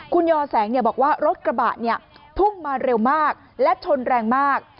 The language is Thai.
คุณยอแสงบอกว่ารถกระบะพุ่งมาเร็วมากและชนแรงมาก